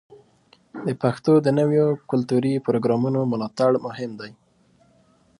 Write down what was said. د پښتو د نویو کلتوري پروګرامونو ملاتړ مهم دی.